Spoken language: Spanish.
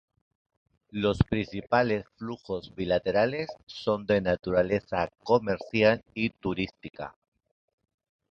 Los principales flujos bilaterales son de naturaleza comercial y turística.